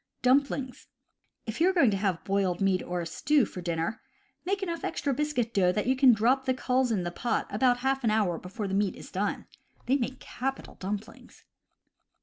Dumplings. — If you are going to have boiled meat or a stew for dinner, make enough extra biscuit dough so that you can drop the culls into the pot about half an hour before the meat is done. They make capital dumplings.